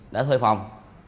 đã thuê phòng